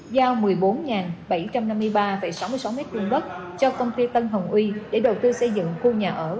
giao một mươi bốn bảy trăm năm mươi ba sáu mươi sáu m hai đất cho công ty tân hồng uy để đầu tư xây dựng khu nhà ở